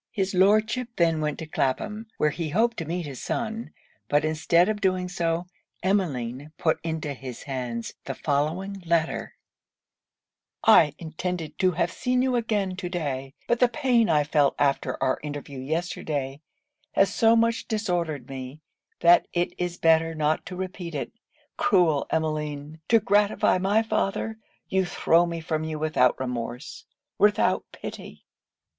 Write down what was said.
His Lordship then went to Clapham, where he hoped to meet his son; but instead of doing so, Emmeline put into his hands the following letter 'I intended to have seen you again to day; but the pain I felt after our interview yesterday, has so much disordered me, that it is better not to repeat it. Cruel Emmeline! to gratify my father you throw me from you without remorse, without pity.